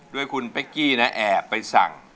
ด้วยคุณเป๊กกี้นะแอบไปสั่ง